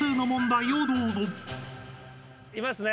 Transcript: いますね。